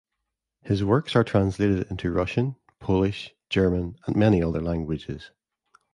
His works are translated into Russian, Polish, German and many other languages.